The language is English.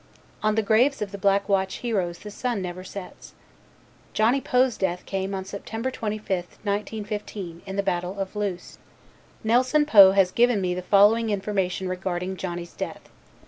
On the graves of the Black Watch heroes the sun never sets. Johnny Poe's death came on September 25th, 1915, in the Battle of Loos. Nelson Poe has given me the following information regarding Johnny's death.